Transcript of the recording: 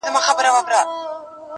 خوب مي دی لیدلی جهاني ریشتیا دي نه سي-